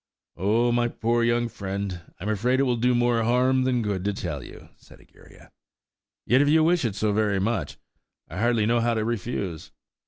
"Oh, my poor young friend, I'm afraid it will do more harm than good to tell you," said Egeria, "yet, if you wish it so very much, I hardly know how to refuse."